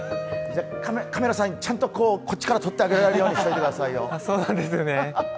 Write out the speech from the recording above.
カメラさん、ちゃんとこっちから撮ってあげるようにしてくださいよ。